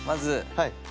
はい。